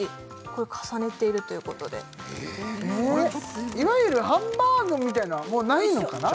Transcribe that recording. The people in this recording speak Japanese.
これ重ねているということでいわゆるハンバーグみたいなのはもうないのかな？